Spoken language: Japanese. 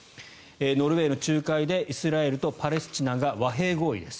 ノルウェーの仲介でイスラエルとパレスチナが和平合意です。